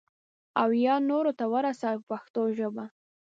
او یا نورو ته ورسوي په پښتو ژبه.